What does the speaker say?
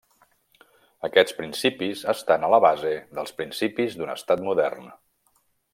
Aquests principis estan a la base dels principis d'un Estat modern.